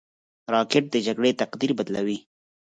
راکټ د جګړې تقدیر بدلوي